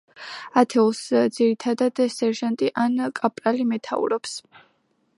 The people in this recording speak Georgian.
ათეულს ძირითადად სერჟანტი ან კაპრალი მეთაურობს.